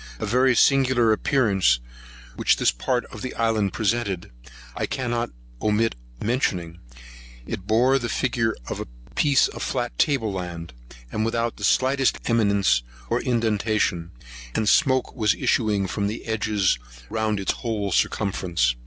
The very singular appearance which this part of the island presented, I cannot omit mentioning; it bore the figure of a piece of flat table land, without the slightest eminence or indentation, and smoke was issuing from the edges, round its whole circumference.